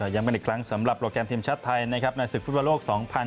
ยังมีอีกครั้งสำหรับโรคแกรมทีมชาติไทยในศึกฟุตประโลก๒๐๒๒